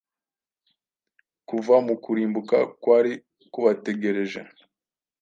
kuva mu kurimbuka kwari kubategereje.